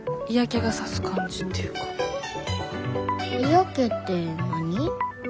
嫌気って何？